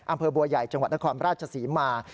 อำเภอบัวใหญ่จังหวัดนครราชศรีมา